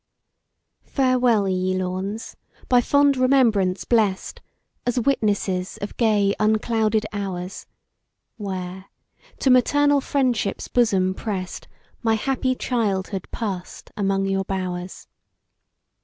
FAREWELL, ye lawns! by fond remembrance blest, As witnesses of gay unclouded hours; Where, to maternal friendships' bosom prest, My happy childhood past among your bowers.